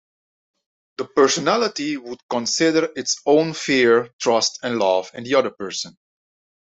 The personality would consider its own fear, trust, and love in the other person.